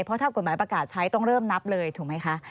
เพราะถ้ากฎหมายประกาศใช้ต้องเริ่มนับเลยถูกไหมคะ